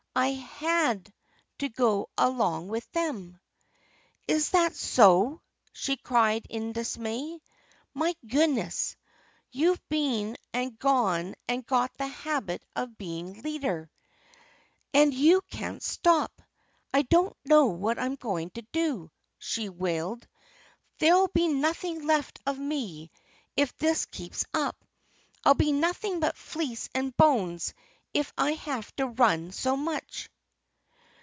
I had to go along with them!" "Is that so?" she cried in dismay. "My goodness! You've been and gone and got the habit of being leader! And you can't stop! ... I don't know what I'm going to do!" she wailed. "There'll be nothing left of me if this keeps up. I'll be nothing but fleece and bones if I have to run so much."